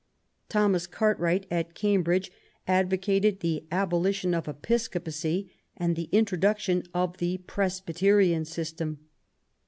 Thomas Cartwright, at Cambridge, advocated the abolition of Epi^gopacy, and the 26o QUEEN ELIZABETH. introduction of the Presbyterian system.